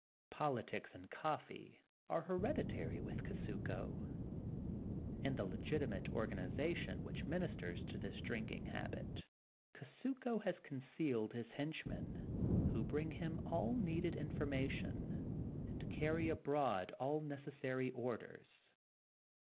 Politics and coffee are hereditary with Kusuko. In the legitimate organization which min isters to this drinking habit, Kusuko has con cealed his henchmen, who bring him all needed information and carry abroad all nec essary orders.